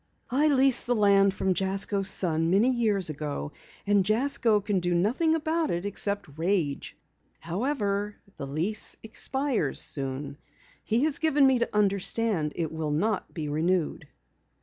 "I leased the land from Jasko's son many years ago, and Jasko can do nothing about it except rage. However, the lease expires soon. He has given me to understand it will not be renewed."